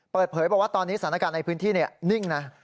เปิดเผยบอกว่าตอนนี้สถานการณ์ในพื้นที่นิ่งนะ